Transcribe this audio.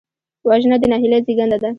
وژنه د نهیلۍ زېږنده ده